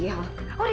kamu tahu kan